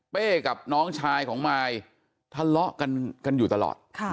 กับน้องชายของมายทะเลาะกันอยู่ตลอด